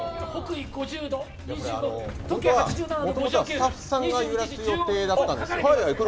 これ本当は、もともとはスタッフさんが揺らす予定だったんですよ。